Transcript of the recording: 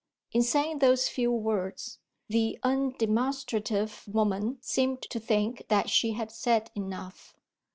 In saying those few words, the undemonstrative woman seemed to think that she had said enough.